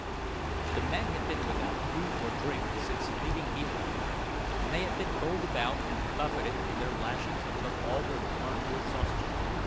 The men had been without food or drink since leaving Helium, and they had been hurled about and buffeted in their lashings until all were worn to exhaustion.